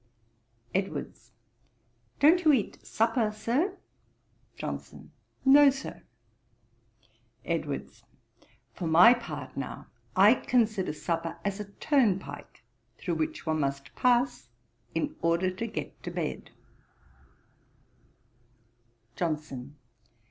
EDWARDS. 'Don't you eat supper, Sir?' JOHNSON. 'No, Sir.' EDWARDS. 'For my part, now, I consider supper as a turnpike through which one must pass, in order to get to bed.' JOHNSON.